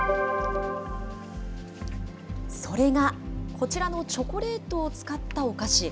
それが、こちらのチョコレートを使ったお菓子。